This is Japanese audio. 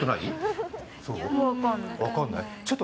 分かんない。